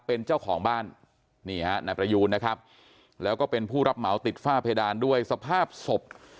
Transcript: เป็นเจ้าของบ้านนี่ฮะนายประยูนนะครับแล้วก็เป็นผู้รับเหมาติดฝ้าเพดานด้วยสภาพศพ